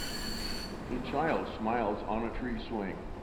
A child smiles on a tree swing.